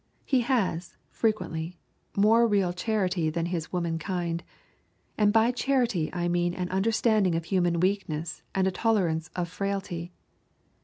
He has, frequently, more real charity than his womankind, and by charity I mean an understanding of human weakness and a tolerance of frailty.